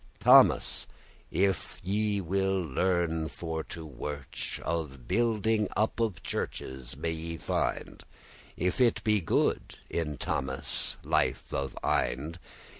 Thomas, if ye will learne for to wirch,* *work Of building up of churches may ye find If it be good, in Thomas' life of Ind.